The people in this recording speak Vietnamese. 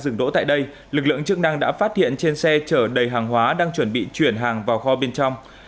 dừng đỗ tại đây lực lượng chức năng đã phát hiện trên xe chở đầy hàng hóa đang chuẩn bị chuyển hàng vào kho bên trong